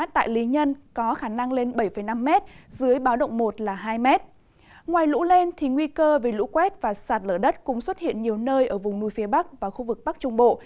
ngoài lũ lên thì nguy cơ về lũ quét và sạt lở đất cũng xuất hiện nhiều nơi ở vùng núi phía bắc và khu vực bắc trung bộ